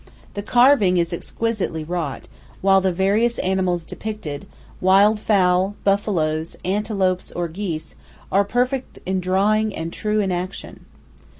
The carving is exquisitely wrought, while the various animals depicted wild fowl, buffaloes, antelopes, or geese are perfect in drawing and true in action.